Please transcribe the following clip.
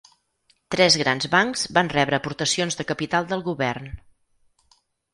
Tres grans bancs van rebre aportacions de capital del govern.